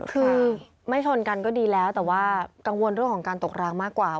คือไม่ชนกันก็ดีแล้วแต่ว่ากังวลเรื่องของการตกรางมากกว่า